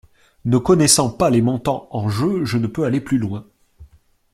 Ne connaissant pas les montants en jeu, je ne peux aller plus loin.